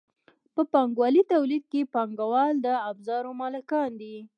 په پانګوالي تولید کې پانګوال د ابزارو مالکان دي.